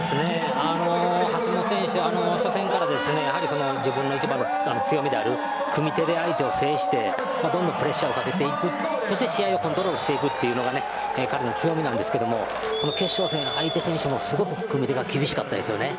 橋本選手、初戦から自分の一番の強みである組み手で相手を制してどんどんプレッシャーをかけるそして、試合をコントロールしていくのが彼の強みなんですけどもこの決勝戦は、相手選手もすごく組み手が厳しかったですね。